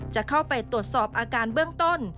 จะเข้าไปตรวจสอบอาการเบื้องต้น